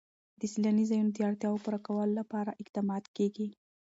د سیلاني ځایونو د اړتیاوو پوره کولو لپاره اقدامات کېږي.